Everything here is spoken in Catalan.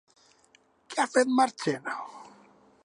Què ha fet Marchena?